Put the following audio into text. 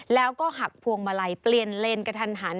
แล้วก็หักพวงมาลัยเปลี่ยนเลนกระทันหัน